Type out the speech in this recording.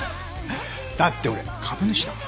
だって俺株主だもん。